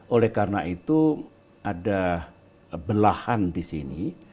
oleh karena itu ada belahan di sini